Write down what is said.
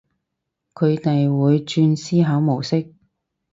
佢哋會轉思考模式